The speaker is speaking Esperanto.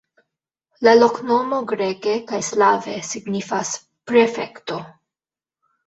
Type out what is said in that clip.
La loknomo greke kaj slave signifas "prefekto".